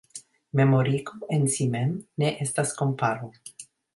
Memorigo en si mem ne estas komparo.